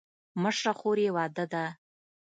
مشره خور یې واده ده.